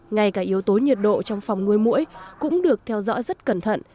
ngay cả yếu tố nhiệt độ trong phòng nuôi mũi cũng được theo dõi rất cẩn thận